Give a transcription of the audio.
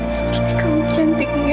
seperti kamu cantiknya